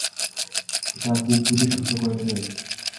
এটা মুখ বুজে সহ্য করে নেবে?